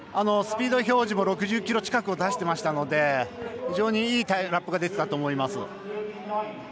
スピード表示も６０キロ近くを出していましたので非常にいいラップが出てたと思います。